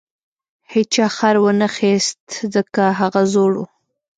هیچا خر ونه خیست ځکه هغه زوړ و.